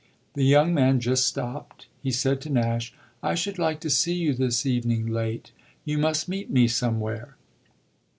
The young man just stopped; he said to Nash: "I should like to see you this evening late. You must meet me somewhere."